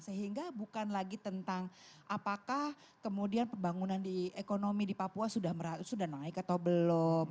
sehingga bukan lagi tentang apakah kemudian pembangunan di ekonomi di papua sudah naik atau belum